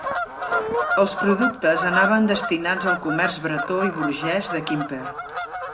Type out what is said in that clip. Els productes anaven destinats al comerç bretó i burgés de Quimper.